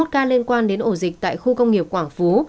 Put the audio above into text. hai mươi một ca liên quan đến ổ dịch tại khu công nghiệp quảng phú